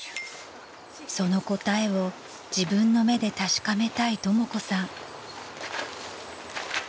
［その答えを自分の目で確かめたいとも子さん］